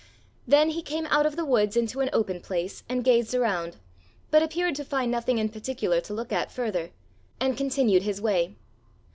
Then he came out of the woods into an open place and gazed around, but appeared to find nothing in particular to look at further, and continued his way.